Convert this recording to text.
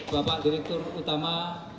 bapak direktur utama